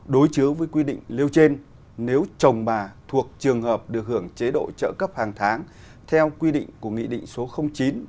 đối chứa với quy định liêu trên nếu chồng bà thuộc trường hợp được hưởng chế độ trợ cấp hàng tháng theo quy định của nghị định số chín một nghìn chín trăm chín mươi tám